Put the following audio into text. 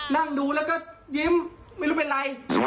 นั่งดูมีรู้ไม่รู้เป็นไง